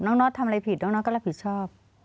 น็อตทำอะไรผิดน้องน็อตก็รับผิดชอบ